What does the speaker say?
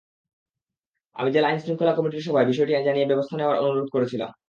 আমি জেলা আইনশৃঙ্খলা কমিটির সভায় বিষয়টি জানিয়ে ব্যবস্থা নেওয়ার অনুরোধ করেছিলাম।